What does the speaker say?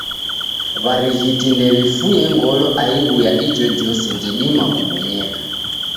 W'arighiti ndew'ifuye ngolo aighu ya ijojose jidima kubonyeka.